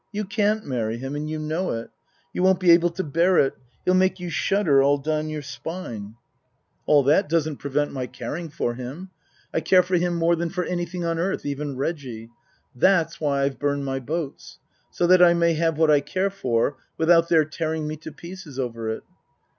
You can't marry him, and you know it. You won't be able to bear it. He'll make you shudder all down your spine." 78 Tasker Jevons " All that doesn't prevent my caring for him. I care for him more than for anything on earth, even Reggie. That's why I've burned my boats. So that I may have what I care for without their tearing me to pieces over it."